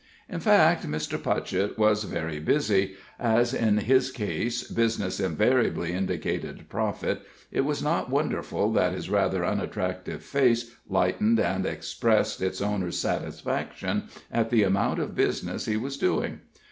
In fact, Mr. Putchett was very busy, and as in his case business invariably indicated profit, it was not wonderful that his rather unattractive face lightened and expressed its owner's satisfaction at the amount of business he was doing.